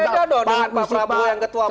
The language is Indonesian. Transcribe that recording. tidak dong pak prabowo yang ketua partai